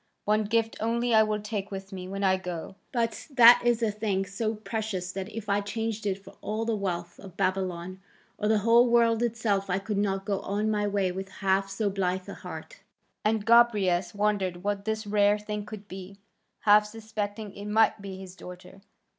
One gift only I will take with me when I go, but that is a thing so precious that if I changed it for all the wealth of Babylon or the whole world itself I could not go on my way with half so blithe a heart." And Gobryas wondered what this rare thing could be, half suspecting it might be his daughter.